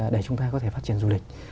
để chúng ta có thể phát triển du lịch